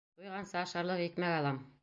— Туйғансы ашарлыҡ икмәк алам...